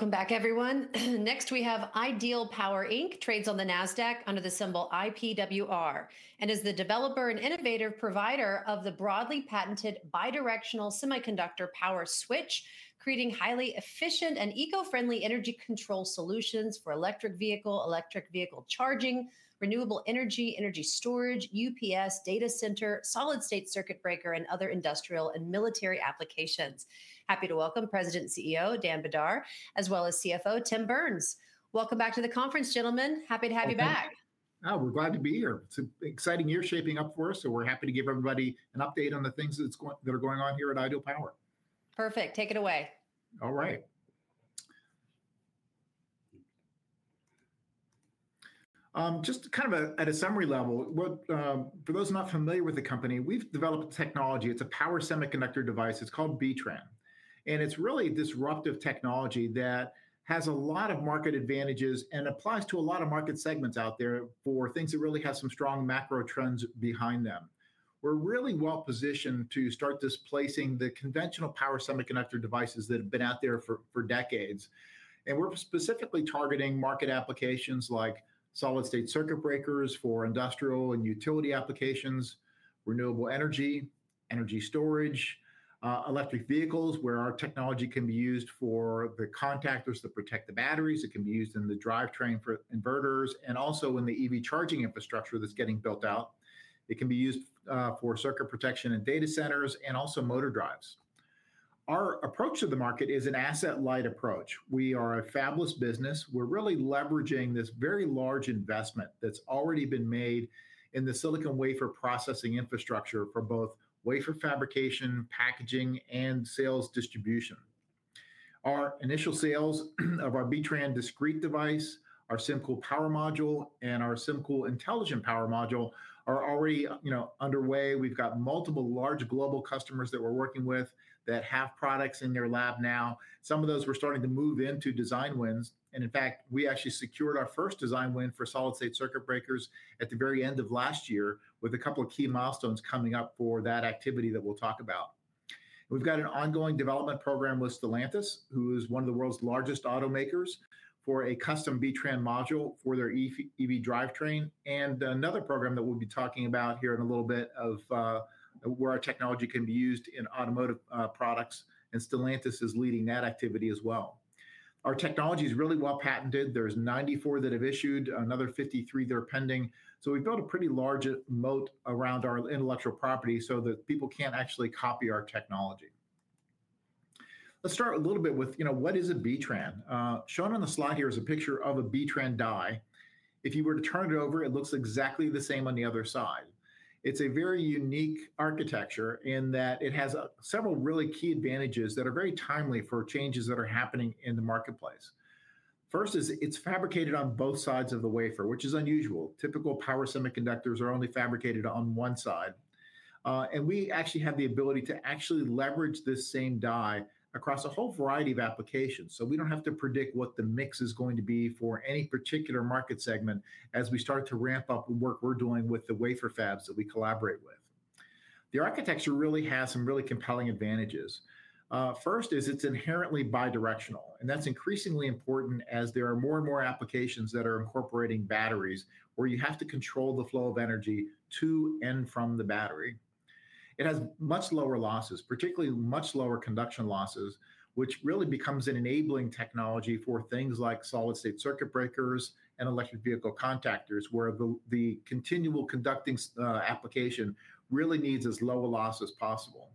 Welcome back, everyone. Next, we have Ideal Power Inc trades on the NASDAQ under the symbol IPWR, and is the developer and innovative provider of the broadly patented bidirectional semiconductor power switch, creating highly efficient and eco-friendly energy control solutions for electric vehicle, electric vehicle charging, renewable energy, energy storage, UPS data center, solid-state circuit breaker, and other industrial and military applications. Happy to welcome President and CEO Dan Brdar, as well as CFO Tim Burns. Welcome back to the conference, gentlemen. Happy to have you back. We're glad to be here. It's an exciting year shaping up for us, so we're happy to give everybody an update on the things that are going on here at Ideal Power. Perfect. Take it away. All right. Just kind of at a summary level, for those not familiar with the company, we've developed technology. It's a power semiconductor device. It's called B-TRAN. And it's really disruptive technology that has a lot of market advantages and applies to a lot of market segments out there for things that really have some strong macro trends behind them. We're really well positioned to start displacing the conventional power semiconductor devices that have been out there for decades. And we're specifically targeting market applications like solid-state circuit breakers for industrial and utility applications, renewable energy, energy storage, electric vehicles, where our technology can be used for the contactors that protect the batteries. It can be used in the drive train for inverters, and also in the EV charging infrastructure that's getting built out. It can be used for circuit protection in data centers and also motor drives. Our approach to the market is an asset-light approach. We are a fabless business. We're really leveraging this very large investment that's already been made in the silicon wafer processing infrastructure for both wafer fabrication, packaging, and sales distribution. Our initial sales of our B-TRAN discrete device, our SymCool Power Module, and our SymCool Intelligent Power Module are already underway. We've got multiple large global customers that we're working with that have products in their lab now. Some of those we're starting to move into design wins. In fact, we actually secured our first design win for solid-state circuit breakers at the very end of last year, with a couple of key milestones coming up for that activity that we'll talk about. We've got an ongoing development program with Stellantis, who is one of the world's largest automakers, for a custom B-TRAN module for their EV drive train. Another program that we'll be talking about here in a little bit is where our technology can be used in automotive products. Stellantis is leading that activity as well. Our technology is really well patented. There are 94 that have issued, another 53 that are pending. We have built a pretty large moat around our intellectual property so that people can't actually copy our technology. Let's start a little bit with, you know, what is a B-TRAN? Shown on the slide here is a picture of a B-TRAN die. If you were to turn it over, it looks exactly the same on the other side. It's a very unique architecture in that it has several really key advantages that are very timely for changes that are happening in the marketplace. First is it's fabricated on both sides of the wafer, which is unusual. Typical Power Semiconductors are only fabricated on one side. We actually have the ability to actually leverage this same die across a whole variety of applications. We do not have to predict what the mix is going to be for any particular market segment as we start to ramp up the work we are doing with the wafer fabs that we collaborate with. The architecture really has some really compelling advantages. First is it is inherently bidirectional. That is increasingly important as there are more and more applications that are incorporating batteries where you have to control the flow of energy to and from the battery. It has much lower losses, particularly much lower conduction losses, which really becomes an enabling technology for things like solid-state circuit breakers and electric vehicle contactors, where the continual conducting application really needs as low a loss as possible.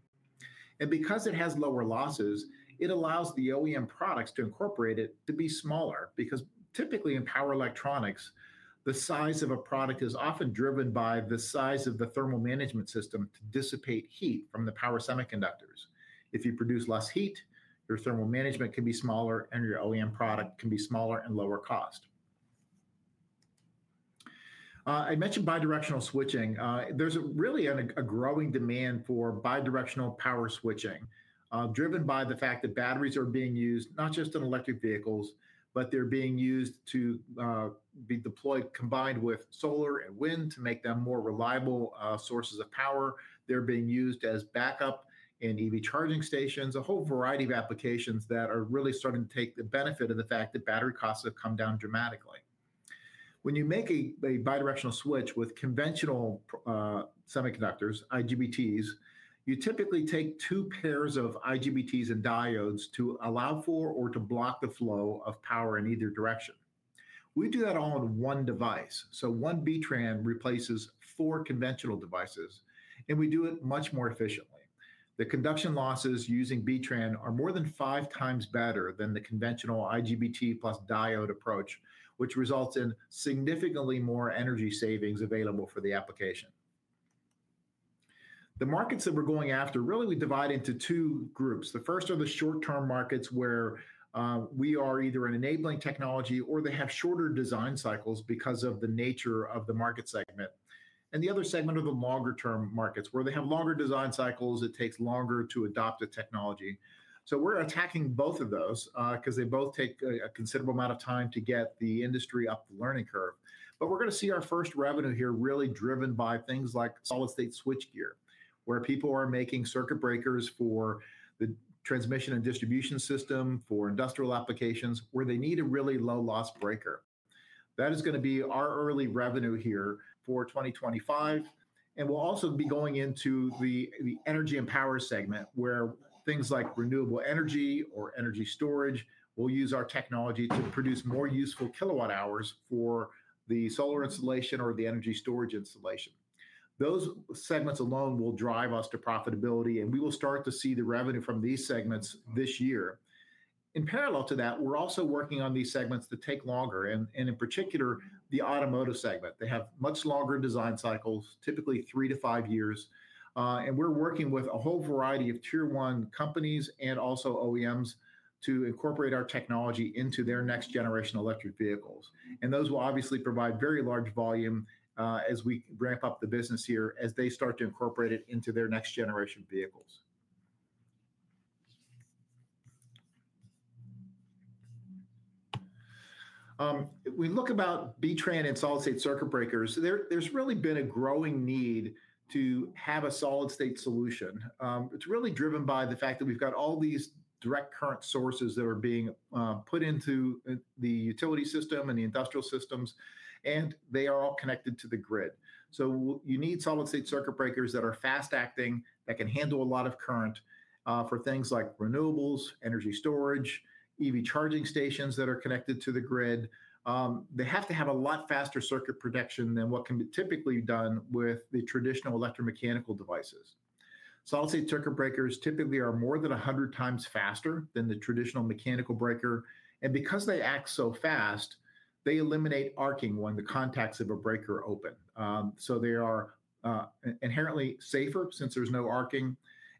Because it has lower losses, it allows the OEM products to incorporate it to be smaller. Typically in power electronics, the size of a product is often driven by the size of the thermal management system to dissipate heat from the power semiconductors. If you produce less heat, your thermal management can be smaller, and your OEM product can be smaller and lower cost. I mentioned bidirectional switching. There is really a growing demand for bidirectional power switching, driven by the fact that batteries are being used not just in electric vehicles, but they are being used to be deployed combined with solar and wind to make them more reliable sources of power. They are being used as backup in EV charging stations, a whole variety of applications that are really starting to take the benefit of the fact that battery costs have come down dramatically. When you make a bidirectional switch with conventional semiconductors, IGBTs, you typically take two pairs of IGBTs and diodes to allow for or to block the flow of power in either direction. We do that all in one device. So one B-TRAN replaces four conventional devices, and we do it much more efficiently. The conduction losses using B-TRAN are more than five times better than the conventional IGBT plus diode approach, which results in significantly more energy savings available for the application. The markets that we're going after, really, we divide into two groups. The first are the short-term markets where we are either an enabling technology or they have shorter design cycles because of the nature of the market segment. The other segment are the longer-term markets where they have longer design cycles. It takes longer to adopt a technology. We're attacking both of those because they both take a considerable amount of time to get the industry up the learning curve. We're going to see our first revenue here really driven by things like solid-state switchgear, where people are making circuit breakers for the transmission and distribution system for industrial applications where they need a really low-loss breaker. That is going to be our early revenue here for 2025. We'll also be going into the energy and power segment where things like renewable energy or energy storage will use our technology to produce more useful kilowatt hours for the solar installation or the energy storage installation. Those segments alone will drive us to profitability, and we will start to see the revenue from these segments this year. In parallel to that, we're also working on these segments that take longer, and in particular, the automotive segment. They have much longer design cycles, typically three to five years. We are working with a whole variety of tier-one companies and also OEMs to incorporate our technology into their next generation electric vehicles. Those will obviously provide very large volume as we ramp up the business here as they start to incorporate it into their next generation vehicles. We look at B-TRAN and solid-state circuit breakers. There has really been a growing need to have a solid-state solution. It is really driven by the fact that we have all these direct current sources that are being put into the utility system and the industrial systems, and they are all connected to the grid. You need solid-state circuit breakers that are fast-acting, that can handle a lot of current for things like renewables, energy storage, EV charging stations that are connected to the grid. They have to have a lot faster circuit protection than what can be typically done with the traditional electromechanical devices. solid-state circuit breakers typically are more than 100 times faster than the traditional mechanical breaker. Because they act so fast, they eliminate arcing when the contacts of a breaker open. They are inherently safer since there's no arcing,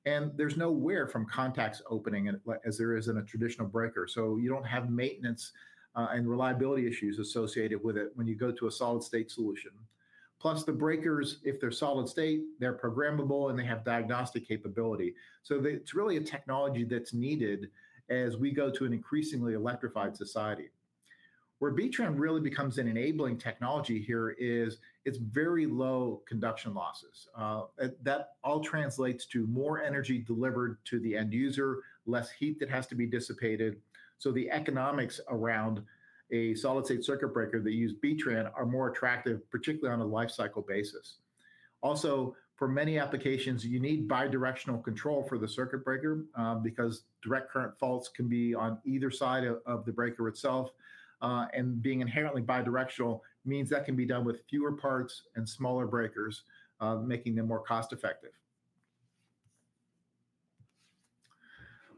and there's no wear from contacts opening as there is in a traditional breaker. You don't have maintenance and reliability issues associated with it when you go to a solid-state solution. Plus, the breakers, if they're solid-state, they're programmable, and they have diagnostic capability. It's really a technology that's needed as we go to an increasingly electrified society. Where B-TRAN really becomes an enabling technology here is its very low conduction losses. That all translates to more energy delivered to the end user, less heat that has to be dissipated. The economics around a solid-state circuit breaker that use B-TRAN are more attractive, particularly on a lifecycle basis. Also, for many applications, you need bidirectional control for the circuit breaker because direct current faults can be on either side of the breaker itself. Being inherently bidirectional means that can be done with fewer parts and smaller breakers, making them more cost-effective.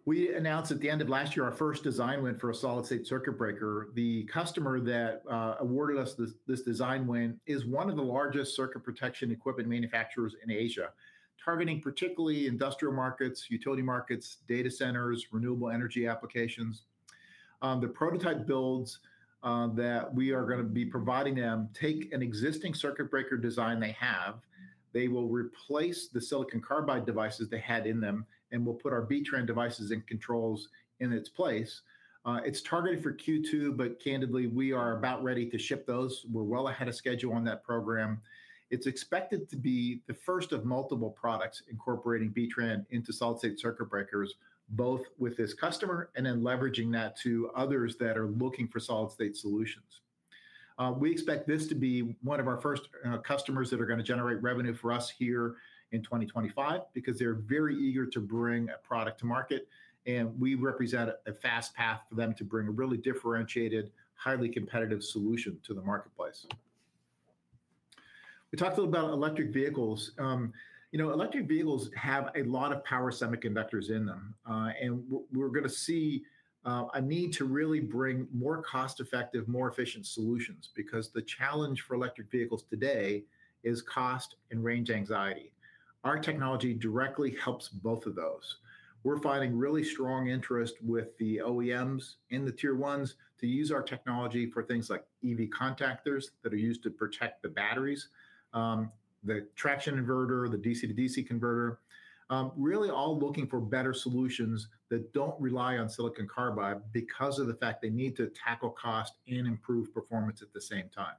We announced at the end of last year our first design win for a solid-state circuit breaker. The customer that awarded us this design win is one of the largest circuit protection equipment manufacturers in Asia, targeting particularly industrial markets, utility markets, data centers, renewable energy applications. The prototype builds that we are going to be providing them take an existing circuit breaker design they have. They will replace the silicon carbide devices they had in them and will put our B-TRAN devices and controls in its place. It's targeted for Q2, but candidly, we are about ready to ship those. We're well ahead of schedule on that program. It's expected to be the first of multiple products incorporating B-TRAN into solid-state circuit breakers, both with this customer and then leveraging that to others that are looking for solid-state solutions. We expect this to be one of our first customers that are going to generate revenue for us here in 2025 because they're very eager to bring a product to market. We represent a fast path for them to bring a really differentiated, highly competitive solution to the marketplace. We talked a little about electric vehicles. You know, electric vehicles have a lot of power semiconductors in them. We're going to see a need to really bring more cost-effective, more efficient solutions because the challenge for electric vehicles today is cost and range anxiety. Our technology directly helps both of those. We're finding really strong interest with the OEMs and the tier ones to use our technology for things like EV contactors that are used to protect the batteries, the traction inverter, the DC to DC converter, really all looking for better solutions that do not rely on silicon carbide because of the fact they need to tackle cost and improve performance at the same time.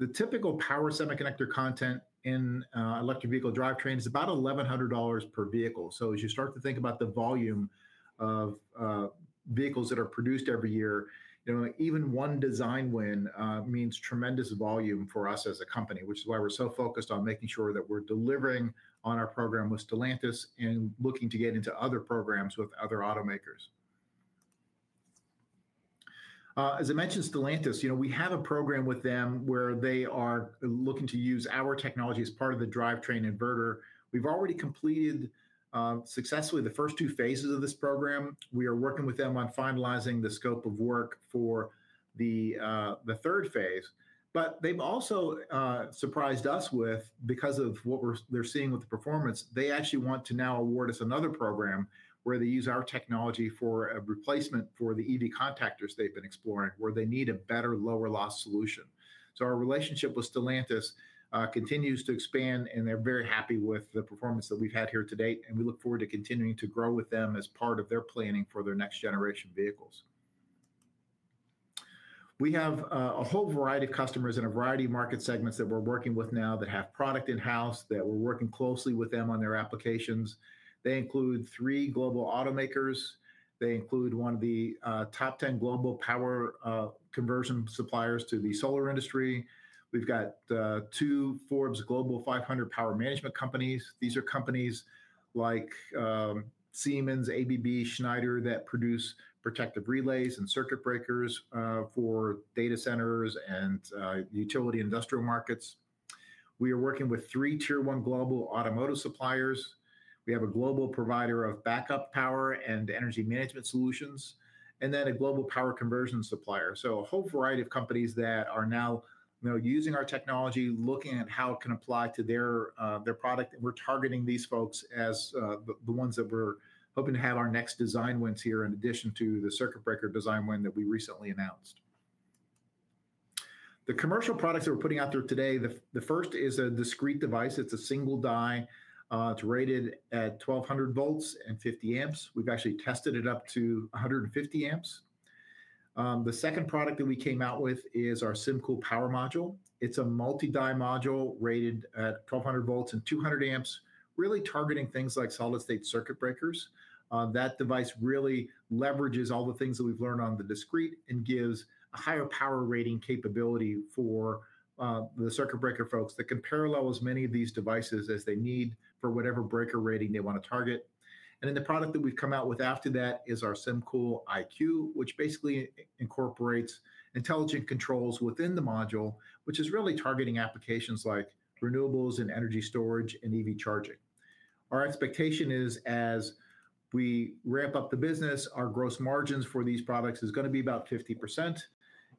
The typical power semiconductor content in electric vehicle drive train is about $1,100 per vehicle. As you start to think about the volume of vehicles that are produced every year, you know, even one design win means tremendous volume for us as a company, which is why we're so focused on making sure that we're delivering on our program with Stellantis and looking to get into other programs with other automakers. As I mentioned, Stellantis, you know, we have a program with them where they are looking to use our technology as part of the drive train inverter. We've already completed successfully the first two phases of this program. We are working with them on finalizing the scope of work for the third phase. They've also surprised us with, because of what they're seeing with the performance, they actually want to now award us another program where they use our technology for a replacement for the EV contactors they've been exploring where they need a better lower loss solution. Our relationship with Stellantis continues to expand, and they're very happy with the performance that we've had here to date. We look forward to continuing to grow with them as part of their planning for their next generation vehicles. We have a whole variety of customers in a variety of market segments that we're working with now that have product in-house, that we're working closely with them on their applications. They include three global automakers. They include one of the top 10 global power conversion suppliers to the solar industry. We've got two Fortune Global 500 power management companies. These are companies like Siemens, ABB, Schneider that produce protective relays and circuit breakers for data centers and utility industrial markets. We are working with three tier-one global automotive suppliers. We have a global provider of backup power and energy management solutions, and then a global power conversion supplier. A whole variety of companies are now, you know, using our technology, looking at how it can apply to their product. We are targeting these folks as the ones that we are hoping to have our next design wins here in addition to the circuit breaker design win that we recently announced. The commercial products that we are putting out there today, the first is a discrete device. It is a single die. It is rated at 1,200 volts and 50 amps. We have actually tested it up to 150 amps. The second product that we came out with is our SymCool power module. It's a multi-die module rated at 1,200 volts and 200 amps, really targeting things like solid-state circuit breakers. That device really leverages all the things that we've learned on the discrete and gives a higher power rating capability for the circuit breaker folks that can parallel as many of these devices as they need for whatever breaker rating they want to target. The product that we've come out with after that is our SymCool IQ, which basically incorporates intelligent controls within the module, which is really targeting applications like renewables and energy storage and EV charging. Our expectation is as we ramp up the business, our gross margins for these products is going to be about 50%.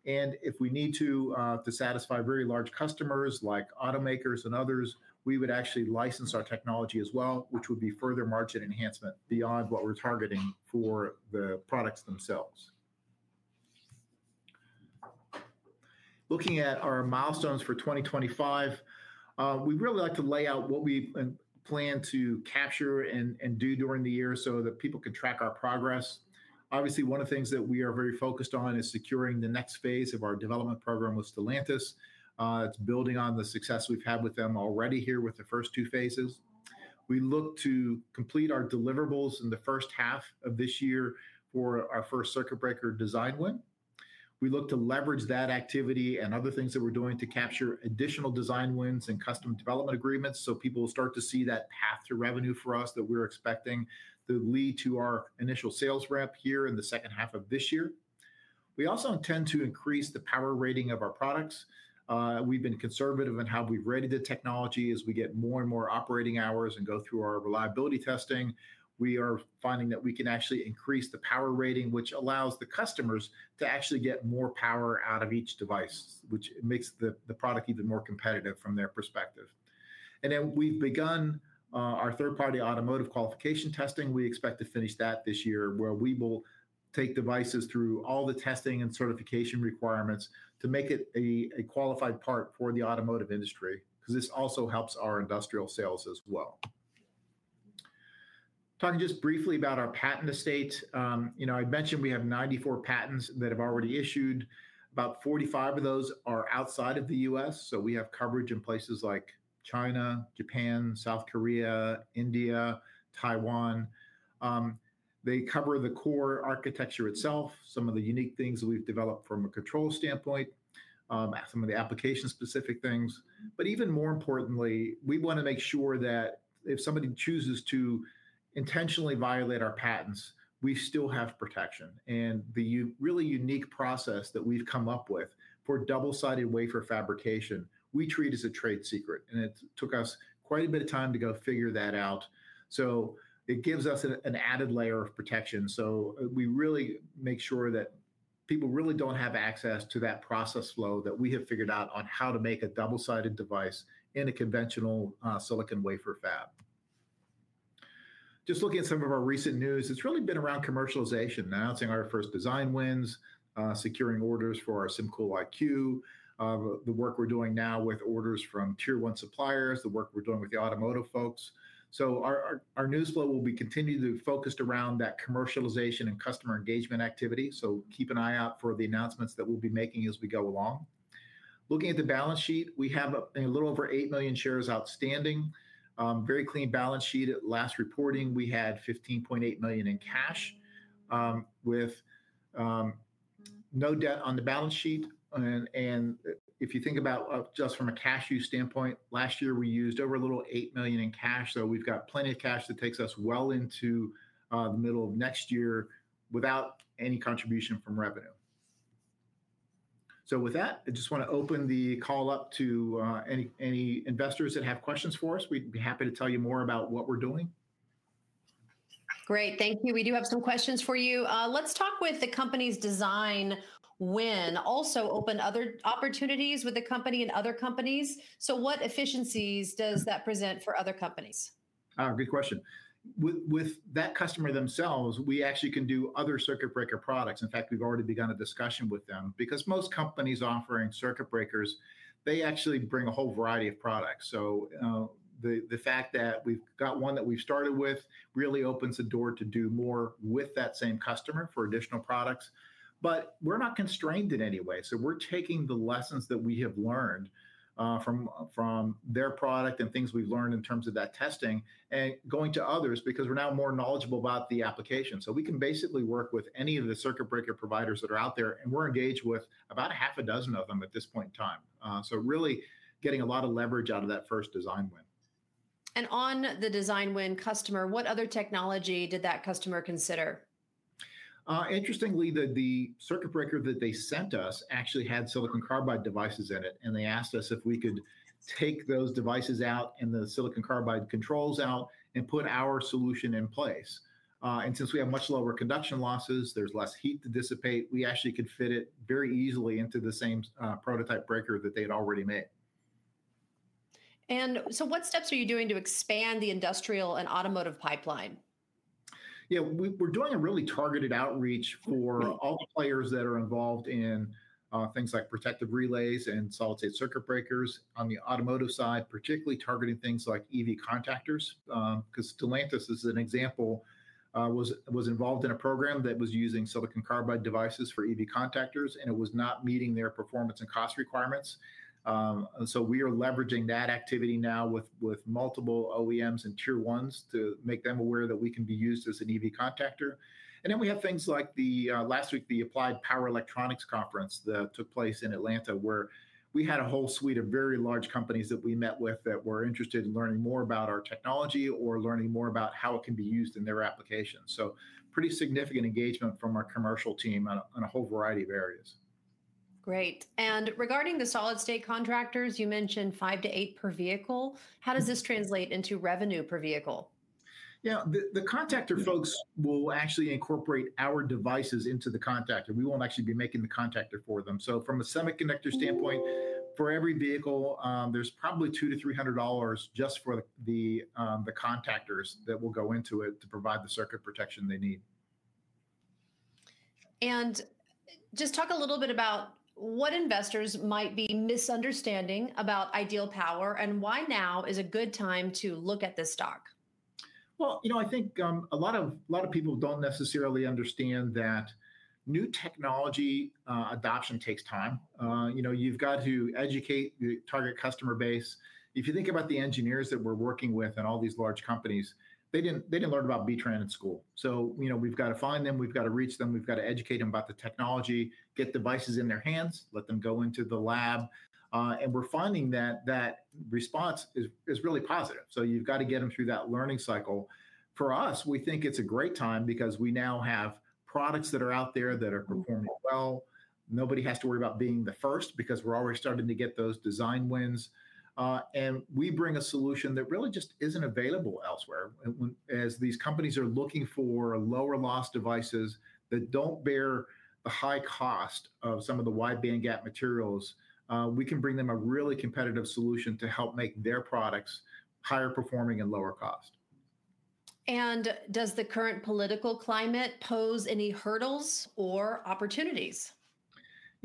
If we need to satisfy very large customers like automakers and others, we would actually license our technology as well, which would be further margin enhancement beyond what we're targeting for the products themselves. Looking at our milestones for 2025, we'd really like to lay out what we plan to capture and do during the year so that people can track our progress. Obviously, one of the things that we are very focused on is securing the next phase of our development program with Stellantis. It's building on the success we've had with them already here with the first two phases. We look to complete our deliverables in the first half of this year for our first circuit breaker design win. We look to leverage that activity and other things that we're doing to capture additional design wins and custom development agreements. People will start to see that path to revenue for us that we're expecting to lead to our initial sales rep here in the second half of this year. We also intend to increase the power rating of our products. We've been conservative in how we've rated the technology. As we get more and more operating hours and go through our reliability testing, we are finding that we can actually increase the power rating, which allows the customers to actually get more power out of each device, which makes the product even more competitive from their perspective. We have begun our third-party automotive qualification testing. We expect to finish that this year, where we will take devices through all the testing and certification requirements to make it a qualified part for the automotive industry because this also helps our industrial sales as well. Talking just briefly about our patent estate, you know, I mentioned we have 94 patents that have already issued. About 45 of those are outside of the U.S. So we have coverage in places like China, Japan, South Korea, India, Taiwan. They cover the core architecture itself, some of the unique things that we've developed from a control standpoint, some of the application-specific things. Even more importantly, we want to make sure that if somebody chooses to intentionally violate our patents, we still have protection. The really unique process that we've come up with for double-sided wafer fabrication, we treat as a trade secret. It took us quite a bit of time to go figure that out. It gives us an added layer of protection. We really make sure that people really don't have access to that process flow that we have figured out on how to make a double-sided device in a conventional silicon wafer fab. Just looking at some of our recent news, it's really been around commercialization, announcing our first design wins, securing orders for our SymCool IQ, the work we're doing now with orders from tier-one suppliers, the work we're doing with the automotive folks. Our news flow will be continued to be focused around that commercialization and customer engagement activity. Keep an eye out for the announcements that we'll be making as we go along. Looking at the balance sheet, we have a little over 8 million shares outstanding. Very clean balance sheet. At last reporting, we had $15.8 million in cash with no debt on the balance sheet. If you think about just from a cash view standpoint, last year we used over a little $8 million in cash. We have plenty of cash that takes us well into the middle of next year without any contribution from revenue. With that, I just want to open the call up to any investors that have questions for us. We'd be happy to tell you more about what we're doing. Great. Thank you. We do have some questions for you. Let's talk with the company's design win. Also open other opportunities with the company and other companies. What efficiencies does that present for other companies? Oh, good question. With that customer themselves, we actually can do other circuit breaker products. In fact, we've already begun a discussion with them because most companies offering circuit breakers, they actually bring a whole variety of products. The fact that we've got one that we've started with really opens the door to do more with that same customer for additional products. We're not constrained in any way. We're taking the lessons that we have learned from their product and things we've learned in terms of that testing and going to others because we're now more knowledgeable about the application. We can basically work with any of the circuit breaker providers that are out there. We're engaged with about half a dozen of them at this point in time. Really getting a lot of leverage out of that first design win. On the design win customer, what other technology did that customer consider? Interestingly, the circuit breaker that they sent us actually had silicon carbide devices in it. They asked us if we could take those devices out and the silicon carbide controls out and put our solution in place. Since we have much lower conduction losses, there is less heat to dissipate, we actually could fit it very easily into the same prototype breaker that they had already made. What steps are you doing to expand the industrial and automotive pipeline? Yeah, we're doing a really targeted outreach for all the players that are involved in things like protective relays and solid-state circuit breakers on the automotive side, particularly targeting things like EV contactors. Stellantis, as an example, was involved in a program that was using silicon carbide devices for EV contactors, and it was not meeting their performance and cost requirements. We are leveraging that activity now with multiple OEMs and tier ones to make them aware that we can be used as an EV contactor. We have things like the last week, the Applied Power Electronics Conference that took place in Atlanta, where we had a whole suite of very large companies that we met with that were interested in learning more about our technology or learning more about how it can be used in their application. Pretty significant engagement from our commercial team on a whole variety of areas. Great. Regarding the solid-state contactors, you mentioned five to eight per vehicle. How does this translate into revenue per vehicle? Yeah, the contactor folks will actually incorporate our devices into the contactor. We won't actually be making the contactor for them. From a semiconductor standpoint, for every vehicle, there's probably $200-$300 just for the contactors that will go into it to provide the circuit protection they need. Just talk a little bit about what investors might be misunderstanding about Ideal Power and why now is a good time to look at this stock. I think a lot of people don't necessarily understand that new technology adoption takes time. You know, you've got to educate the target customer base. If you think about the engineers that we're working with at all these large companies, they didn't learn about B-TRAN in school. So, you know, we've got to find them, we've got to reach them, we've got to educate them about the technology, get devices in their hands, let them go into the lab. And we're finding that that response is really positive. So you've got to get them through that learning cycle. For us, we think it's a great time because we now have products that are out there that are performing well. Nobody has to worry about being the first because we're already starting to get those design wins. And we bring a solution that really just isn't available elsewhere. As these companies are looking for lower loss devices that don't bear the high cost of some of the wide band gap materials, we can bring them a really competitive solution to help make their products higher performing and lower cost. Does the current political climate pose any hurdles or opportunities?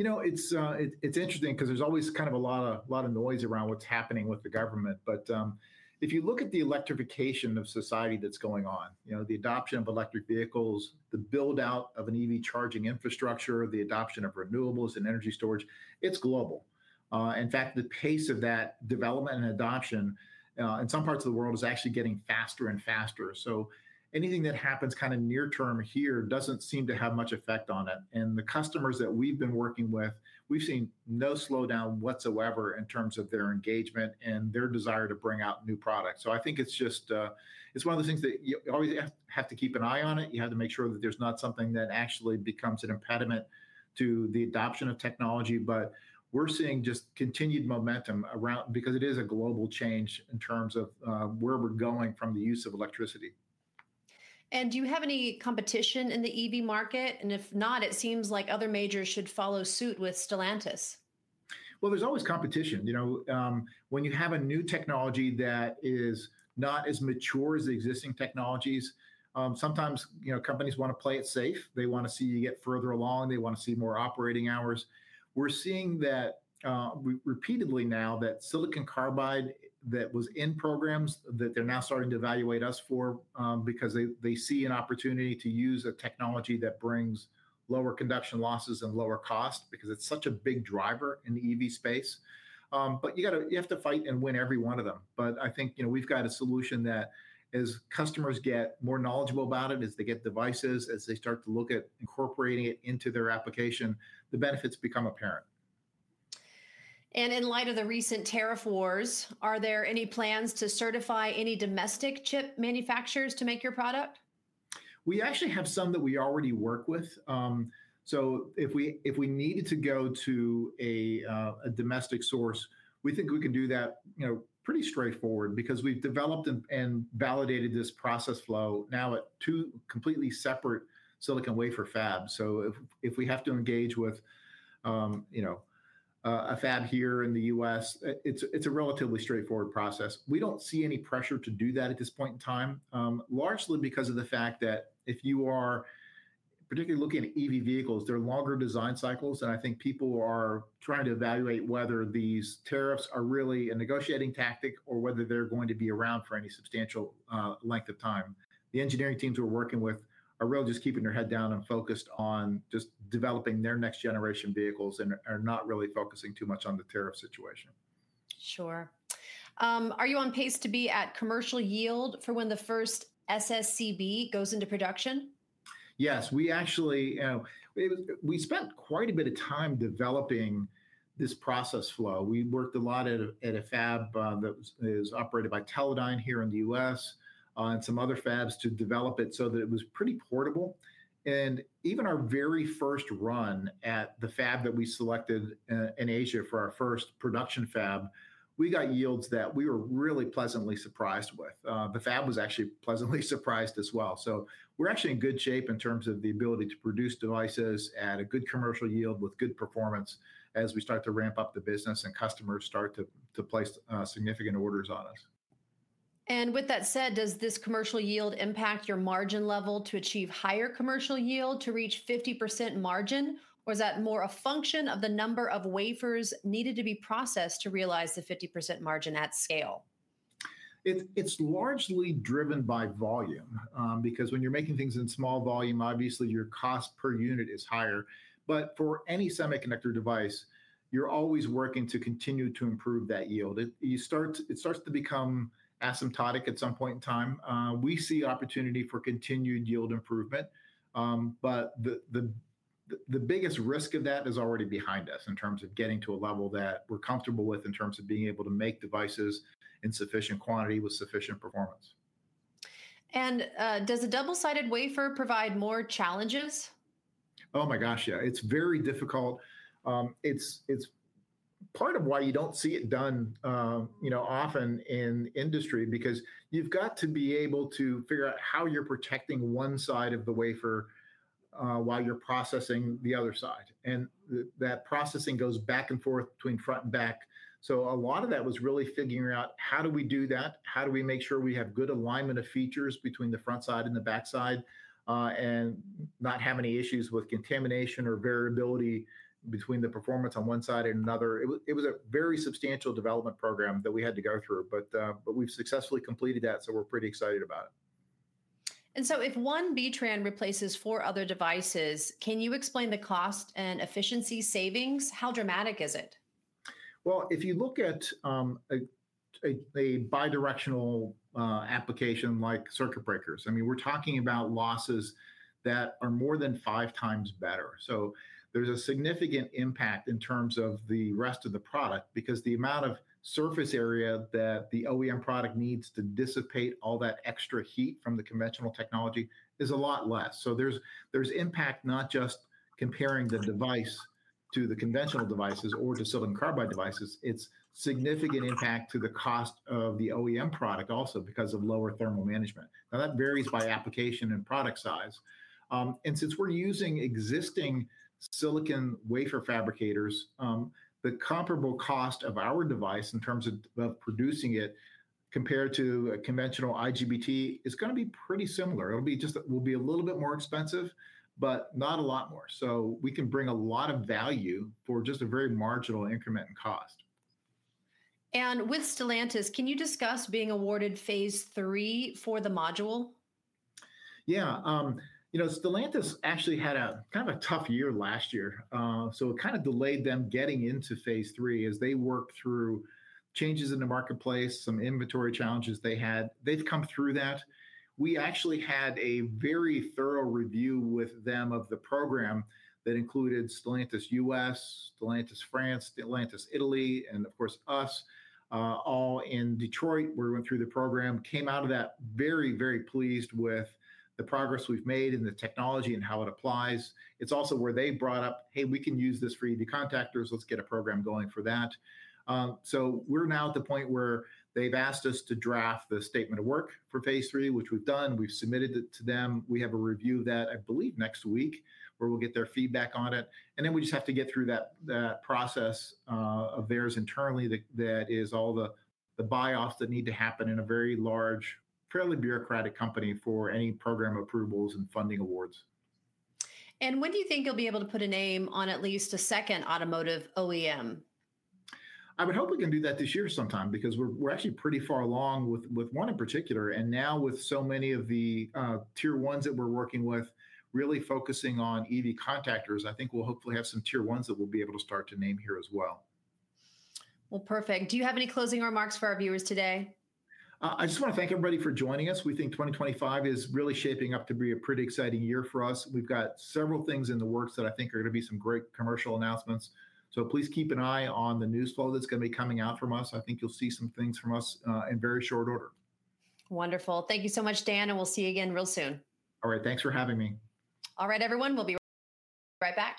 You know, it's interesting because there's always kind of a lot of noise around what's happening with the government. If you look at the electrification of society that's going on, you know, the adoption of electric vehicles, the buildout of an EV charging infrastructure, the adoption of renewables and energy storage, it's global. In fact, the pace of that development and adoption in some parts of the world is actually getting faster and faster. Anything that happens kind of near term here doesn't seem to have much effect on it. The customers that we've been working with, we've seen no slowdown whatsoever in terms of their engagement and their desire to bring out new products. I think it's just, it's one of the things that you always have to keep an eye on it. You have to make sure that there's not something that actually becomes an impediment to the adoption of technology. We're seeing just continued momentum around because it is a global change in terms of where we're going from the use of electricity. Do you have any competition in the EV market? If not, it seems like other majors should follow suit with Stellantis. There is always competition. You know, when you have a new technology that is not as mature as the existing technologies, sometimes, you know, companies want to play it safe. They want to see you get further along. They want to see more operating hours. We are seeing that repeatedly now that silicon carbide that was in programs that they are now starting to evaluate us for because they see an opportunity to use a technology that brings lower conduction losses and lower cost because it is such a big driver in the EV space. You have to fight and win every one of them. I think, you know, we have got a solution that as customers get more knowledgeable about it, as they get devices, as they start to look at incorporating it into their application, the benefits become apparent. In light of the recent tariff wars, are there any plans to certify any domestic chip manufacturers to make your product? We actually have some that we already work with. If we needed to go to a domestic source, we think we can do that, you know, pretty straightforward because we've developed and validated this process flow now at two completely separate silicon wafer fabs. If we have to engage with, you know, a fab here in the U.S., it's a relatively straightforward process. We don't see any pressure to do that at this point in time, largely because of the fact that if you are particularly looking at EV vehicles, they're longer design cycles. I think people are trying to evaluate whether these tariffs are really a negotiating tactic or whether they're going to be around for any substantial length of time. The engineering teams we're working with are really just keeping their head down and focused on just developing their next generation vehicles and are not really focusing too much on the tariff situation. Sure. Are you on pace to be at commercial yield for when the first SSCB goes into production? Yes, we actually, you know, we spent quite a bit of time developing this process flow. We worked a lot at a fab that is operated by Teledyne here in the U.S. and some other fabs to develop it so that it was pretty portable. Even our very first run at the fab that we selected in Asia for our first production fab, we got yields that we were really pleasantly surprised with. The fab was actually pleasantly surprised as well. We are actually in good shape in terms of the ability to produce devices at a good commercial yield with good performance as we start to ramp up the business and customers start to place significant orders on us. Does this commercial yield impact your margin level to achieve higher commercial yield to reach 50% margin, or is that more a function of the number of wafers needed to be processed to realize the 50% margin at scale? It's largely driven by volume because when you're making things in small volume, obviously your cost per unit is higher. For any semiconductor device, you're always working to continue to improve that yield. It starts to become asymptotic at some point in time. We see opportunity for continued yield improvement. The biggest risk of that is already behind us in terms of getting to a level that we're comfortable with in terms of being able to make devices in sufficient quantity with sufficient performance. Does a double-sided wafer provide more challenges? Oh my gosh, yeah. It's very difficult. It's part of why you don't see it done, you know, often in industry because you've got to be able to figure out how you're protecting one side of the wafer while you're processing the other side. That processing goes back and forth between front and back. A lot of that was really figuring out how do we do that, how do we make sure we have good alignment of features between the front side and the back side and not have any issues with contamination or variability between the performance on one side and another. It was a very substantial development program that we had to go through. We've successfully completed that, so we're pretty excited about it. If one B-TRAN replaces four other devices, can you explain the cost and efficiency savings? How dramatic is it? If you look at a bidirectional application like circuit breakers, I mean, we're talking about losses that are more than five times better. There is a significant impact in terms of the rest of the product because the amount of surface area that the OEM product needs to dissipate all that extra heat from the conventional technology is a lot less. There is impact not just comparing the device to the conventional devices or to silicon carbide devices. It is significant impact to the cost of the OEM product also because of lower thermal management. That varies by application and product size. Since we're using existing silicon wafer fabricators, the comparable cost of our device in terms of producing it compared to a conventional IGBT is going to be pretty similar. It will be a little bit more expensive, but not a lot more. We can bring a lot of value for just a very marginal increment in cost. With Stellantis, can you discuss being awarded phase three for the module? Yeah, you know, Stellantis actually had a kind of a tough year last year. So it kind of delayed them getting into phase three as they worked through changes in the marketplace, some inventory challenges they had. They've come through that. We actually had a very thorough review with them of the program that included Stellantis U.S., Stellantis France, Stellantis Italy, and of course us, all in Detroit where we went through the program, came out of that very, very pleased with the progress we've made in the technology and how it applies. It's also where they brought up, hey, we can use this for EV contactors. Let's get a program going for that. We are now at the point where they've asked us to draft the statement of work for phase three, which we've done. We've submitted it to them. We have a review of that, I believe next week, where we'll get their feedback on it. We just have to get through that process of theirs internally that is all the buyoffs that need to happen in a very large, fairly bureaucratic company for any program approvals and funding awards. When do you think you'll be able to put a name on at least a second automotive OEM? I would hope we can do that this year sometime because we're actually pretty far along with one in particular. Now with so many of the tier ones that we're working with, really focusing on EV contactors, I think we'll hopefully have some tier ones that we'll be able to start to name here as well. Perfect. Do you have any closing remarks for our viewers today? I just want to thank everybody for joining us. We think 2025 is really shaping up to be a pretty exciting year for us. We've got several things in the works that I think are going to be some great commercial announcements. Please keep an eye on the news flow that's going to be coming out from us. I think you'll see some things from us in very short order. Wonderful. Thank you so much, Dan, and we'll see you again real soon. All right, thanks for having me. All right, everyone, we'll be right back.